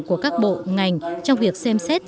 của các bộ ngành trong việc xem xét